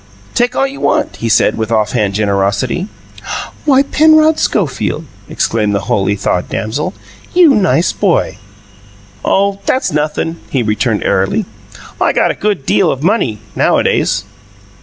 "Take all you want," he said, with off hand generosity. "Why, Penrod Schofield," exclaimed the wholly thawed damsel, "you nice boy!" "Oh, that's nothin'," he returned airily. "I got a good deal of money, nowadays."